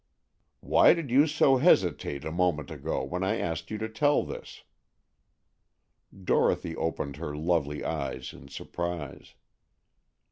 "Why did you so hesitate a moment ago, when I asked you to tell this?" Dorothy opened her lovely eyes in surprise.